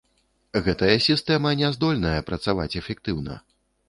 Гэтая сістэма не здольная працаваць эфектыўна.